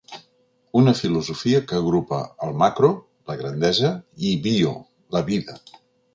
Una filosofia que agrupa el “macro”, la grandesa i “bio” la vida.